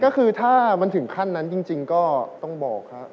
ก็คือถ้ามันถึงขั้นนั้นจริงก็ต้องบอกครับ